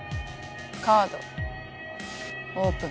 カードオープン。